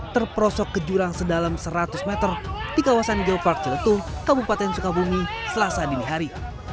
terperosok ke jurang sedalam seratus meter di kawasan geopark ciletung kabupaten sukabumi selasa dini hari